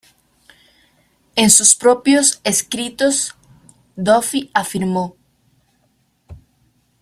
En sus propios escritos Duffy afirmó.